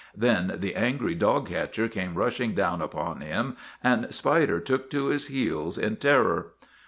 Then the angry dog catcher came rushing down upon him and Spider took to his heels in terror.